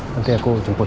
nanti aku jemput